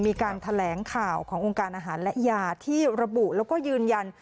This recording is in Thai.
มีการแถลงข่าวขององค์การอาหารและยาที่ระบุแล้วก็ยืนยัน